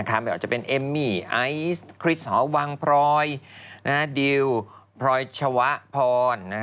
ไม่ว่าจะเป็นเอมมี่ไอซ์คริสหอวังพลอยดิวพรอยชวะพร